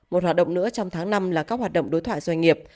một hoạt động nữa trong tháng năm là các hoạt động đối thoại doanh nghiệp